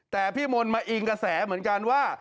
แต่พี่มนต์มาอิงกระแสเหมือนกันว่า